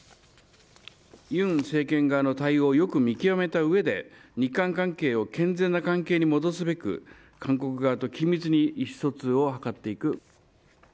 ユン政権側の対応をよく見極めたうえで、日韓関係を健全な関係に戻すべく、韓国側と緊密に意思疎通を図っていく。